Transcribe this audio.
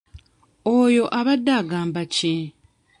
Oyo abadde agamba ki?